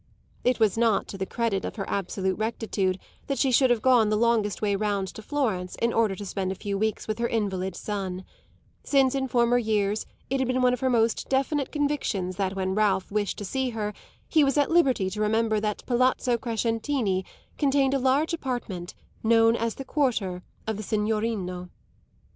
It was not to the credit of her absolute rectitude that she should have gone the longest way round to Florence in order to spend a few weeks with her invalid son; since in former years it had been one of her most definite convictions that when Ralph wished to see her he was at liberty to remember that Palazzo Crescentini contained a large apartment known as the quarter of the signorino.